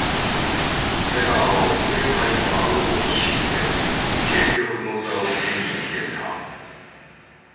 テラーはオッペンハイマーを陥れ権力の座を手に入れた。